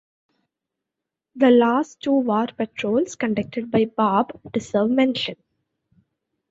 The last two war patrols conducted by "Barb" deserve mention.